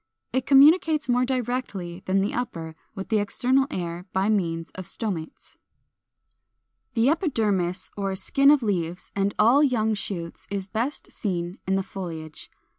It communicates more directly than the upper with the external air by means of Stomates. 442. =The Epidermis= or skin of leaves and all young shoots is best seen in the foliage.